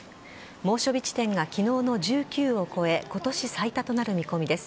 猛暑日地点が昨日の１９を超え今年最多となる見込みです。